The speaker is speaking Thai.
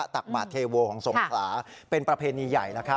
ตักบาทเทโวของสงขลาเป็นประเพณีใหญ่